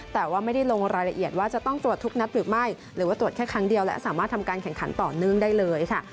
แต่ว่าไม่ได้ลงรายละเอียดว่าจะต้องตรวจทุกนัดหรือไม่หรือว่าตรวจแค่ครั้งเดียวและสามารถทำการแข่งขันต่อเนื่องได้เลยค่ะ